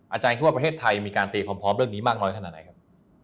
คิดว่าประเทศไทยมีการตีความพร้อมเรื่องนี้มากน้อยขนาดไหนครับ